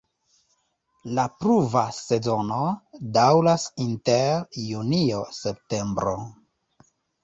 La pluva sezono daŭras inter junio-septembro.